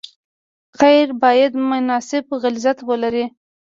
قیر باید مناسب غلظت ولري